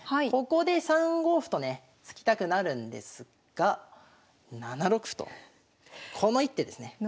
ここで３五歩とね突きたくなるんですが７六歩とこの一手ですね。